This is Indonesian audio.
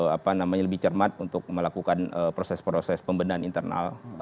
apa namanya lebih cermat untuk melakukan proses proses pembenahan internal